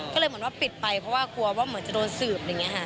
ก็เลยเหมือนว่าปิดไปเพราะว่ากลัวว่าเหมือนจะโดนสืบอะไรอย่างนี้ค่ะ